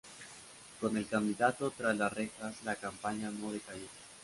Con el candidato tras las rejas la campaña no decayó.